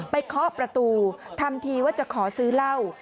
เคาะประตูทำทีว่าจะขอซื้อเหล้า